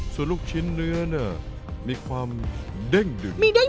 ส่วนลูกชิ้นเนื้อเนี่ยมีความเด้งดึง